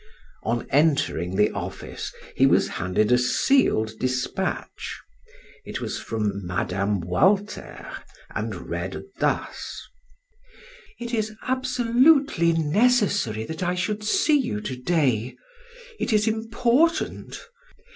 On entering the office, he was handed a sealed dispatch; it was from Mme. Walter, and read thus: "It is absolutely necessary that I should see you to day. It is important.